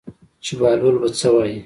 چې بهلول به څه وایي.